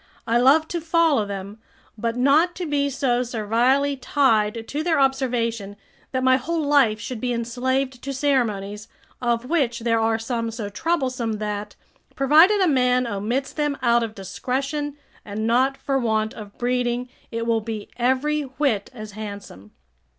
I love to follow them, but not to be so servilely tied to their observation that my whole life should be enslaved to ceremonies, of which there are some so troublesome that, provided a man omits them out of discretion, and not for want of breeding, it will be every whit as handsome.